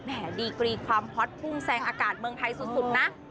แหมดีกรีความภอดภูมิแสงอากาศเมืองไทยสุดนะ